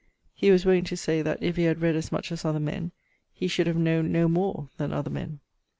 He was wont to say that if he had read as much as other men, he should have knowne no more then other men.